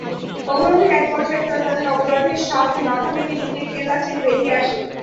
অবরোধের এক পর্যায়ে তারা তাদের অপরাধের শাস্তি মাথা পেতে নিতে কেল্লা ছেড়ে বেরিয়ে আসে।